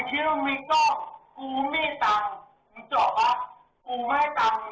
กูไม่ตังคุณขอรถมือ